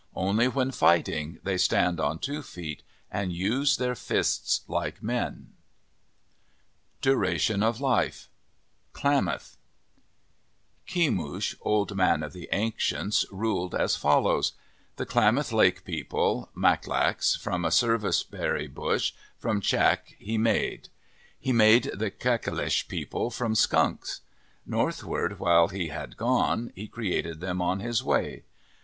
Only when fighting they stand on two feet and use their fists like men. 37 MYTHS AND LEGENDS DURATION OF LIFE Klamath KEMUSH, Old Man of the Ancients, ruled as follows : The Klamath Lake people, Mak laks, from a service berry bush, from Tschak, he made. He made the Kakalish people from skunks. Northward while he had gone, he created them on his way.